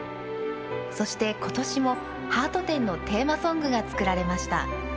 そしてことしも「ハート展」のテーマソングがつくられました。